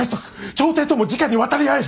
朝廷ともじかに渡り合える。